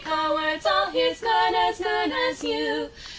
ye cowards all: Here's men as good as you.